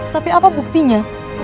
tapi apa buktinya